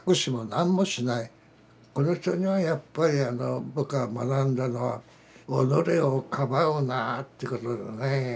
この人にはやっぱり僕が学んだのは「己をかばうな」ってことでねえ。